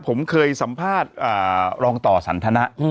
ผมเคยสัมภาษณ์รองต่อสันทนะ